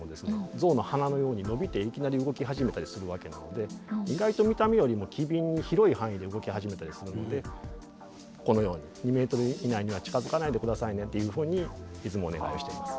ゾウの鼻のように伸びていきなり動き始めたりするわけなので意外と見た目よりも機敏に広い範囲で動き始めたりするのでこのように２ｍ以内には近づかないで下さいねというふうにいつもお願いしております。